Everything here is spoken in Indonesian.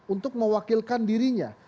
untuk mewakilkan dirinya